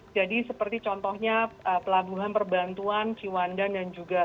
jadi seperti contohnya pelabuhan perbantuan ciwandan dan juga